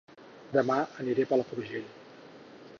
Dema aniré a Palafrugell